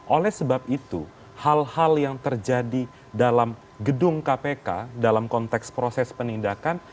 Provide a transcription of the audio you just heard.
oleh sebab itu hal hal yang terjadi dalam gedung kpk dalam konteks proses penindakan